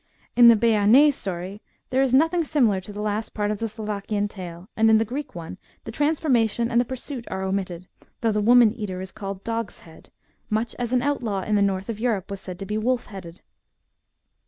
In the Bearnais story, there is nothing similar to the last part of the Slovakian tale, and in the Greek one the transformation and the pursuit are omitted, though the woman eater is called " dog's head," much as an outlaw in the north of Europe was said to be wolf headed.